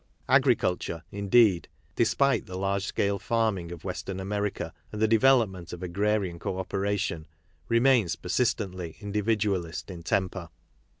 Agriculture, indeed, despite the large scale farming of Western America, and the de velopment of agrarian co operation, remains persistently individualist in temper.'